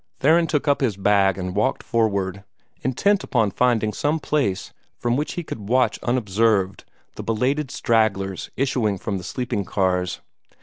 Theron took up his bag and walked forward, intent upon finding some place from which he could watch unobserved the belated stragglers issuing from the sleeping cars.